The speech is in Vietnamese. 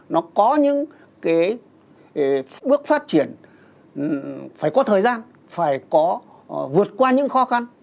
nó có những cái bước phát triển phải có thời gian phải vượt qua những khó khăn